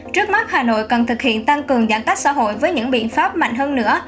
trước mắt hà nội cần thực hiện tăng cường giãn cách xã hội với những biện pháp mạnh hơn nữa